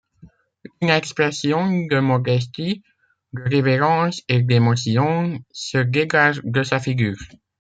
Une expression de modestie, de révérence et d'émotion se dégage de sa figure.